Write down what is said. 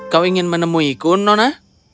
kau ingin menemuiku nona